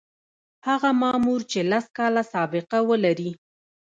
هغه مامور چې لس کاله سابقه ولري.